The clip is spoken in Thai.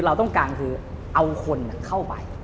เราต้องการคือเอาคนเข้าไป